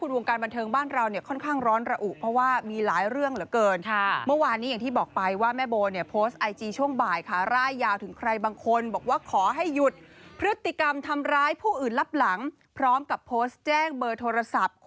คุณวงการบันเทิงบ้านเราเนี่ยค่อนข้างร้อนระอุ